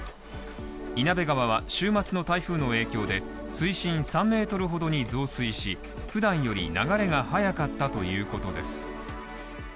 員弁川は週末の台風の影響で水深３Ｍほどに増水しふだんより流れが速かったということです